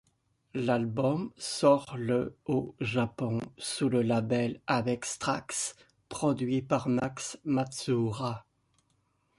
L'album sort le au Japon sous le label avex trax, produit par Max Matsuura.